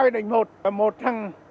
hai đánh một một thằng